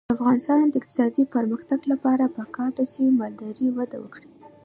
د افغانستان د اقتصادي پرمختګ لپاره پکار ده چې مالداري وده وکړي.